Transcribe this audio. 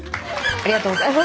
ありがとうございます。